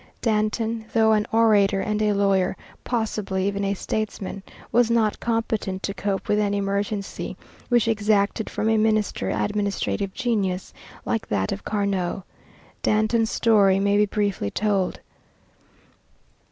Danton, though an orator and a lawyer, possibly even a statesman, was not competent to cope with an emergency which exacted from a minister administrative genius like that of Carnot. Danton's story may be briefly told.